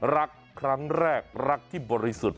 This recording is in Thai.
รักครั้งแรกรักที่บริสุทธิ์